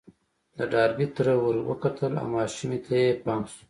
د ډاربي تره ور وکتل او ماشومې ته يې پام شو.